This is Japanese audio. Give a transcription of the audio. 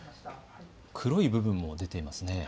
黒い部分も出ていますね。